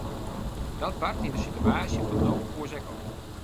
Dat bart yn de sitewaasje fan no oars ek al.